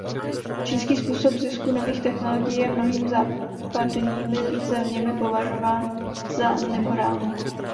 Čínský způsob zisku nových technologií je mnohými západními zeměmi považován za nemorální.